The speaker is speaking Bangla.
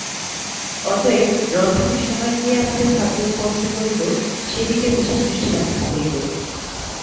অতএব রন্ধনের সময় কে আমাদের খাদ্য স্পর্শ করিল, সে-দিকে বিশেষ দৃষ্টি রাখিতে হইবে।